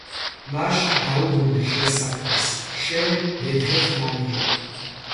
მაშ, დაუბრუნდი შენს საქმეს, შე მედღეხვალიევ!